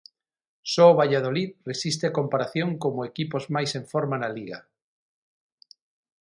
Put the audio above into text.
Só o Valladolid resiste a comparación como equipos máis en forma da Liga.